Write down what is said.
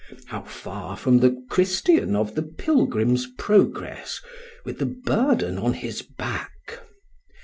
How far from the Christian of the "Pilgrim's Progress" with the burden on his back!